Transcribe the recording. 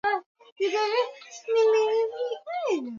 mwenye umri wa miaka kumi na tano